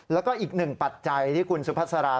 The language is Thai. แล้วก็อีกหนึ่งปัจจัยที่คุณสุภาษา